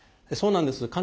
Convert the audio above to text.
そうなんです。